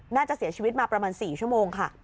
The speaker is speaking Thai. น่าจะเสียชีวิตมาประมาณ๔ชั่วโมงค่ะ